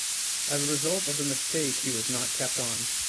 As a result of the mistake he was not kept on.